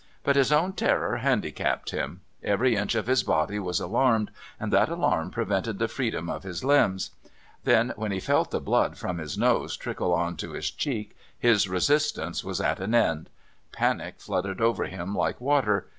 But his own terror handicapped him; every inch of his body was alarmed, and that alarm prevented the freedom of his limbs. Then when he felt the blood from his nose trickle on to his cheek his resistance was at an end; panic flooded over him like water.